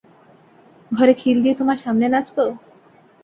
ঘরে খিল দিয়ে তোমার সামনে নাচব?